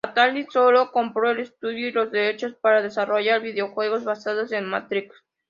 Atari sólo compró el estudio y los derechos para desarrollar videojuegos basados en "Matrix".